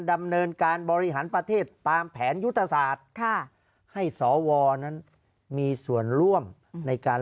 ดำเนินการบริหารประเทศตามแผนยุทธศาสตร์ค่ะให้สวนั้นมีส่วนร่วมในการ